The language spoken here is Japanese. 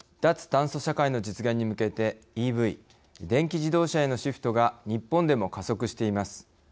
脱炭素社会の実現に向けてＥＶ＝電気自動車へのシフトが日本でも加速しています。